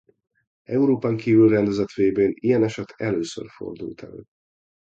Európán kívül rendezett vb-n ilyen eset először fordult elő.